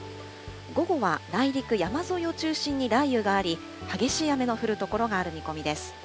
午後は内陸山沿いを中心に雷雨があり、激しい雨の降る所がある見込みです。